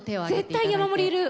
絶対山盛りいる。